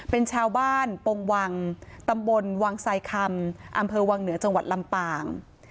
เป็นชาวบ้านปงวังตำบลวังไซคำอำเภอวังเหนือจังหวัดลำปาง